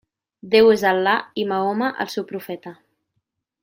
Déu és Al·là i Mahoma el seu profeta.